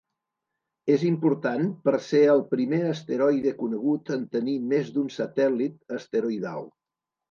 És important per ser el primer asteroide conegut en tenir més d'un satèl·lit asteroidal.